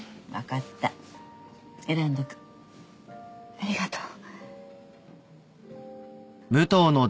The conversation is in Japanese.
ありがとう。